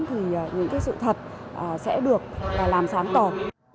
thì những sự thật sẽ được làm sáng tỏa hơn hơn